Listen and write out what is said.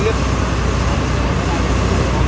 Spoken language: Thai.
ก็จะเท่านั้น